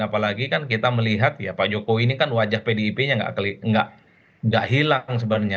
apalagi kan kita melihat ya pak jokowi ini kan wajah pdip nya nggak hilang sebenarnya